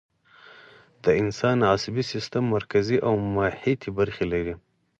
د انسان عصبي سیستم مرکزي او محیطی برخې لري